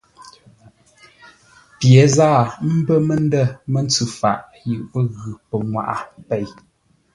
Pye záa ə̀ mbə́ məndməntsʉ faʼ yʉʼ pə́ ghʉ́ pənŋwaʼa pêi.